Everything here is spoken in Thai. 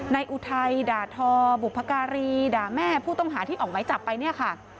อุทัยด่าทอบุพการีด่าแม่ผู้ต้องหาที่ออกไหมจับไปเนี่ยค่ะ